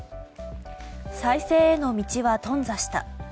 再生への道はとん挫した。